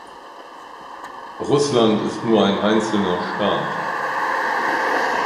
Russland ist nur ein einzelner Staat.